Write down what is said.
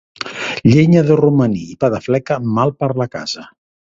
Llenya de romaní i pa de fleca, mal per la casa.